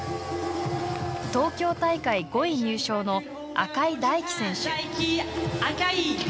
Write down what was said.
東京大会５位入賞の赤井大樹選手。